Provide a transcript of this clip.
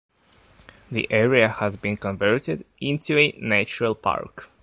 The area has been converted into a natural park.